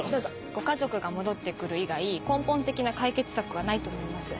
ご家族が戻って来る以外根本的な解決策はないと思います。